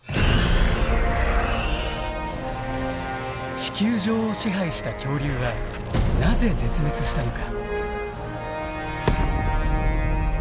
地球上を支配した恐竜はなぜ絶滅したのか。